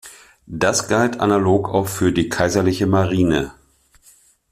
Das galt analog auch für die Kaiserliche Marine.